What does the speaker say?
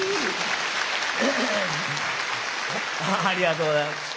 ありがとうございます。